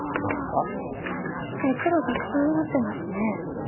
確かに黒たくさん待ってますね。